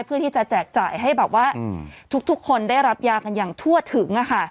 เพื่อที่จะแจกจ่ายให้แบบว่าทุกคนได้รับยากันอย่างทั่วถึง